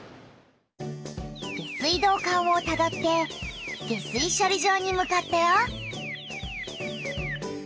下水道管をたどって下水しょり場にむかったよ。